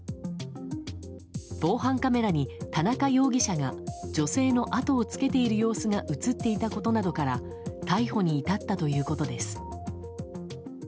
防犯カメラに田中容疑者が女性のあとをつけている様子が映っていたことなどから逮捕に至ったということです。